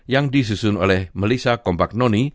yang disusun oleh melissa kompaknoni